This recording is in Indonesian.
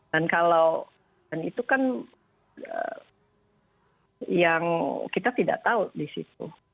dan kalau dan itu kan yang kita tidak tahu di situ